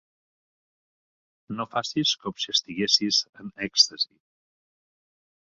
No facis com si estiguessis en èxtasi.